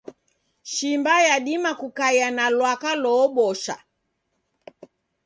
Shimba yadima kukaia na lwaka loobosha